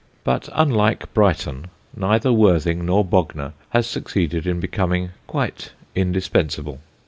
But, unlike Brighton, neither Worthing nor Bognor has succeeded in becoming quite indispensable.